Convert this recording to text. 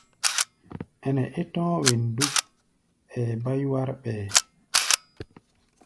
Ɛnɛ é tɔ̧́ɔ̧́ wen dúk, ɛɛ bá yúwár ɓɛɛ́.